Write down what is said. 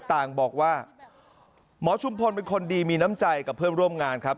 ต่างบอกว่าหมอชุมพลเป็นคนดีมีน้ำใจกับเพื่อนร่วมงานครับ